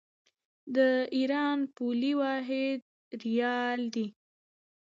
د ایران پولي واحد ریال دی.